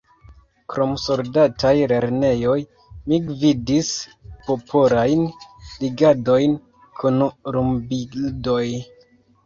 Krom soldataj lernejoj mi gvidis popolajn legadojn kun lumbildoj.